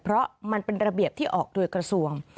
เพราะมันเป็นระเบียบที่ออกโดยกระทรวง